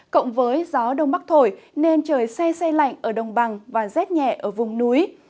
cộng với gió đông bắc thổi nên trời xe xe lạnh ở đồng bằng và rét nhẹ ở vùng núi